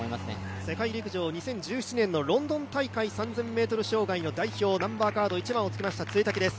世界陸上２０１７年のロンドン大会３０００ｍ障害の代表、１番をつけました潰滝です。